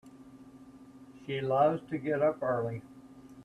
She loves to get up early.